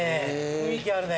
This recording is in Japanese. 雰囲気あるね。